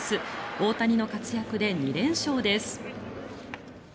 大谷の活躍で２連勝です。